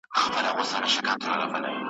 خوځېدلی به توپان وي ,